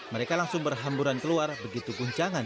mereka langsung berhamburan keluar begitu guncangan